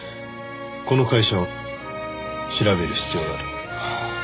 「この会社を調べる必要がある」